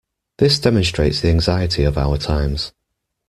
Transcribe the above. This demonstrates the anxiety of our times.